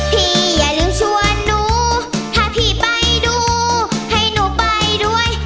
อย่าลืมชวนหนูถ้าพี่ไปดูให้หนูไปด้วย